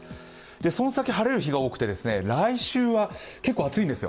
その先、晴れる日が多くて、来週は結構、暑いんですよ。